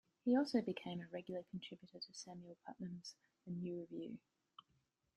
He also became a regular contributor to Samuel Putnam's "The New Review".